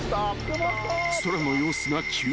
［空の様子が急変］